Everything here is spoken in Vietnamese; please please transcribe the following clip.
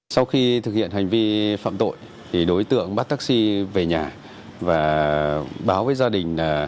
sau khi thực hiện hành vi phạm tội thì đối tượng bắt taxi về nhà và báo với gia đình